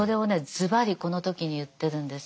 ズバリこの時に言ってるんです。